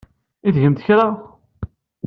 I tgemt kra?